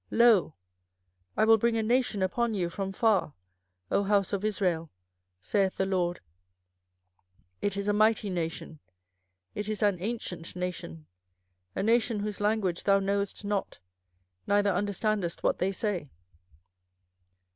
24:005:015 Lo, I will bring a nation upon you from far, O house of Israel, saith the LORD: it is a mighty nation, it is an ancient nation, a nation whose language thou knowest not, neither understandest what they say.